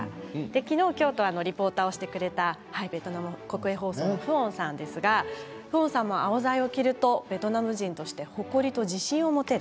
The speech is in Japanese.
昨日、今日とリポーターをしてくれたベトナム国営放送のフオンさんですがアオザイを着るとベトナム人としての誇りと自信を持てる。